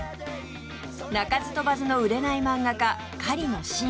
鳴かず飛ばずの売れない漫画家狩野進